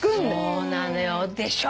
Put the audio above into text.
そうなのよでしょ！